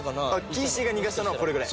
キシーが逃がしたのこれぐらい。